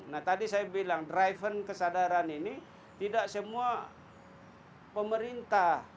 nah tadi saya bilang driven kesadaran ini tidak semua pemerintah